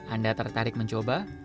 anda tertarik mencoba